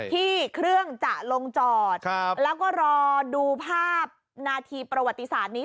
ที่เครื่องจะลงจอดแล้วก็รอดูภาพนาทีประวัติศาสตร์นี้